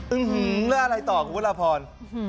อื้อหือแล้วอะไรต่อคุณพุทธรพร